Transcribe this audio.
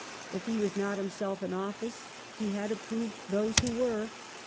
If he was not himself in office, he had approved those who were.